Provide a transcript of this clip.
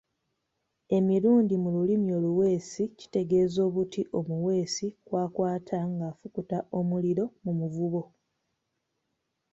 Emirindi mu lulimi oluweesi kitegeeza obuti omuweesi kwa'kwata ngáfukuta omuliro mu muvubo.